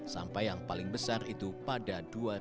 sampai yang paling besar itu pada dua ribu sembilan